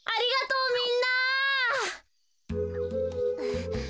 うん。